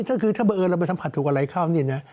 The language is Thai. ถ้าเบอร์เราไปสัมผัสถูกอะไรเข้า